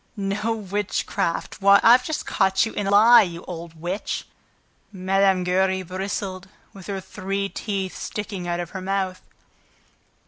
"No witchcraft! Why, I've just caught you in a lie, you old witch!" Mme. Giry bristled, with her three teeth sticking out of her mouth.